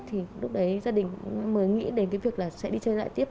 thì lúc đấy gia đình cũng mới nghĩ đến cái việc là sẽ đi chơi lại tiếp